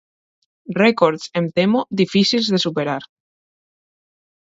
Rècords, em temo, difícils de superar.